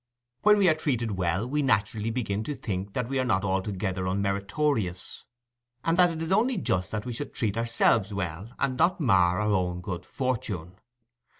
When we are treated well, we naturally begin to think that we are not altogether unmeritorious, and that it is only just we should treat ourselves well, and not mar our own good fortune.